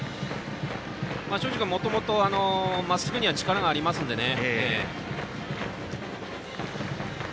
庄司君はもともとまっすぐには力がありますのでね。